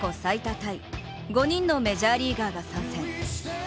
タイ５人のメジャーリーガーが参戦。